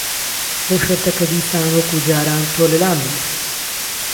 بهو شهرته که دیسان وهکوو جاران تۆ له لام بی